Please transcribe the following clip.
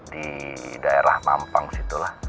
di daerah mampang situlah